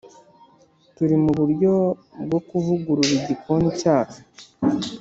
turi muburyo bwo kuvugurura igikoni cyacu.